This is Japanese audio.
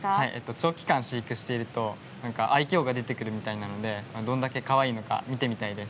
長期間飼育してしていると何か愛きょうが出てくるみたいなのでどんだけかわいいのか見てみたいです。